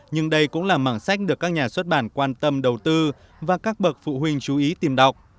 nhưng đây cũng là mảng sách được các nhà xuất bản quan tâm đầu tư và các bậc phụ huynh chú ý tìm đọc